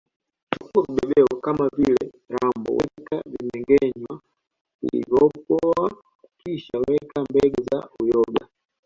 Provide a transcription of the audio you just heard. Chukua vibebeo kama vile rambo weka vimengenywa vilivyopoa kisha weka mbegu za uyoga